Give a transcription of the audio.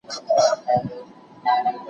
عارفان یادولای سو، چي له هغوی څخه زدهکړه